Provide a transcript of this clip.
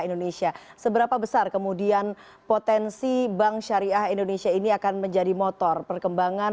indonesia seberapa besar kemudian potensi bank syariah indonesia ini akan menjadi motor perkembangan